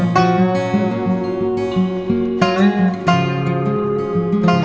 dengar nanti maks